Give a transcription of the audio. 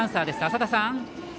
浅田さん。